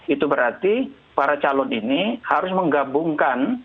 itu berarti para calon ini harus menggabungkan